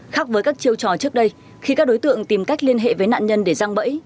khác với các chiêu trò trước đây khi các đối tượng tìm cách liên hệ với nạn nhân để răng bẫy